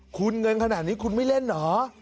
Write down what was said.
คุณเงินขนาดนี้คุณไม่เล่นเหรอ